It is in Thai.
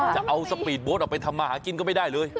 จะเอาสปีดโบ๊ทไปหามากินก็ไม่ได้เลย